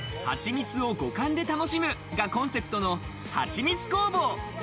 蜂蜜を五感で楽しむがコンセプトのはちみつ工房。